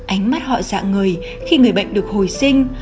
ánh mắt họ dạng người khi người bệnh được hồi sinh